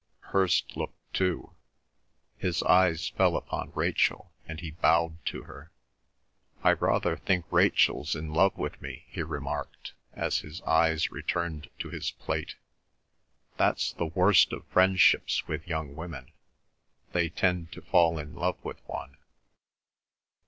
Hirst looked too. His eyes fell upon Rachel, and he bowed to her. "I rather think Rachel's in love with me," he remarked, as his eyes returned to his plate. "That's the worst of friendships with young women—they tend to fall in love with one."